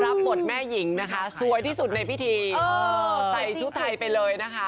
รับบทแม่หญิงนะคะสวยที่สุดในพิธีใส่ชุดไทยไปเลยนะคะ